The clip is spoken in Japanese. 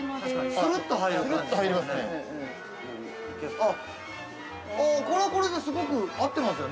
◆するっと入りますね。